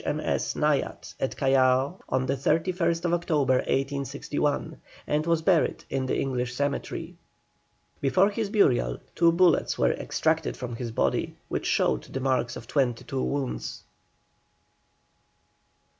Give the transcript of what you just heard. M.S. Naiad at Callao on the 31st October, 1861, and was buried in the English cemetery. Before his burial two bullets were extracted from his body, which showed the marks of twenty two wounds.